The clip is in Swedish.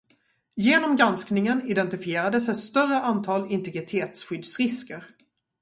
Genom granskningen identifierades ett antal större integritetsskyddsrisker.